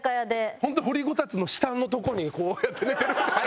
本当掘りごたつの下のとこにこうやって寝てる。